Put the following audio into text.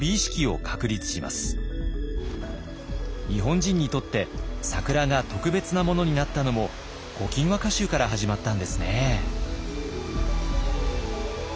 日本人にとって桜が特別なものになったのも「古今和歌集」から始まったんですね。